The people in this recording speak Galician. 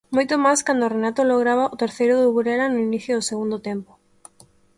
Moito máis cando Renato lograba o terceiro do Burela no inicio do segundo tempo.